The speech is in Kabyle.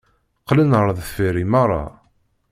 Qqlen ar deffir i meṛṛa.